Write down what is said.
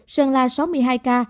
sơn la sáu mươi hai ca